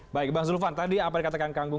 baik bang zulfan tadi apa yang dikatakan kang gunggun